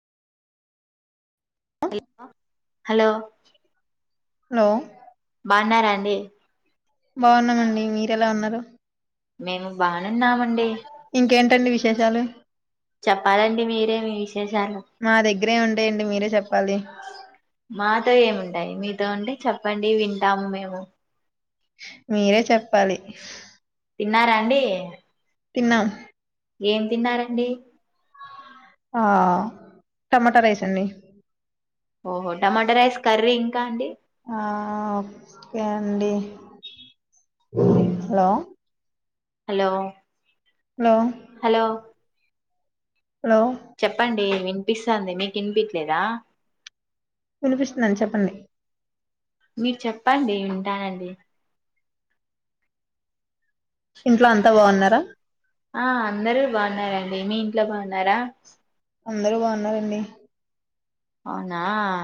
hello hello బాగున్నారాండి బాగున్నామండి మీరెలా ఉన్నరు మేము బానేన్నామండి ఇంకేంటండి విశేషాలు చెప్పాలండి మీరేమి విశేషాలు మా దగ్గరే ఉంటాయండి మీరే చెప్పాలి మాతో ఏముంటాయి మీతో ఉంటే చెప్పండి వింటాము మేము మీరే చెప్పాలి తిన్నారా అండి తిన్నాం ఏం తిన్నారండి ఆ టమాటా రైస్ అండి ఓహో టమాటా రైస్ కర్రీ ఇంకా అండి ఆ ఓకే అండి hello hello hello hello hello చెప్పండి వినిపిస్తుంది మీకు వినిపిట్లేదా వినిపిస్తుదండి చెప్పండి మీరు చెప్పండి వింటానండి ఇంట్లో అంతా బాగున్నారా ఆ అందరూ బాగున్నారండి మీ ఇంట్లో బాగున్నారా అందరూ బాగున్నారండి అవునా